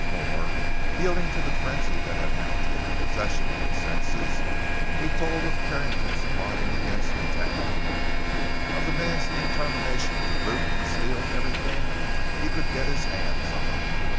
More—yielding to the frenzy that had now taken possession of his senses, he told of Carrington's plotting against the town; of the man's determination to loot and steal everything he could get his hands on.